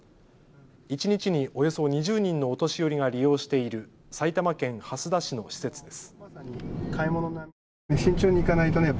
一日におよそ２０人のお年寄りが利用している埼玉県蓮田市の施設です。